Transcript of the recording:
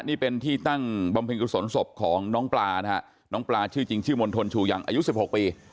นี่เป็นที่ตั้งบำเพ็ญกุศลศพของน้องปลานะฮะน้องปลาชื่อจริงชื่อมณฑลชูยังอายุ๑๖ปี